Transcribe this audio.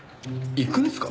行くんすか！？